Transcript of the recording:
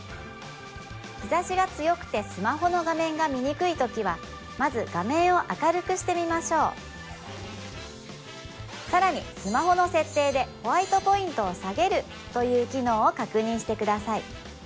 日差しが強くてスマホの画面が見にくいときはまず画面を明るくしてみましょうさらにスマホの設定でという機能を確認してください